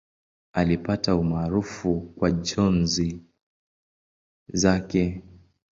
Alipata umaarufu kwa njozi zake.